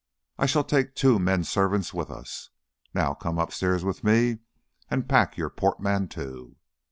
I shall take two menservants with us. Now come upstairs with me and pack your portmanteau."